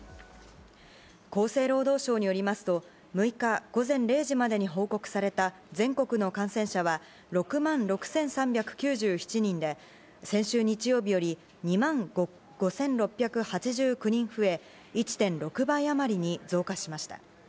厚生労働省によりますと、６日午前０時までに報告された全国の感染者は６万６３９７人で、先週日曜日より２万５６８９人増え、１．６倍余りに増加しました。